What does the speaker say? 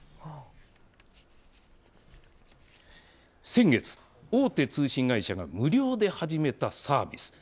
先月、大手通信会社が無料で始めたサービス。